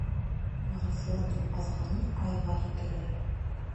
Арыҫландың аҙғаны айға һикерер.